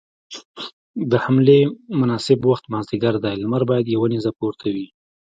د حملې مناسب وخت مازديګر دی، لمر بايد يوه نيزه پورته وي.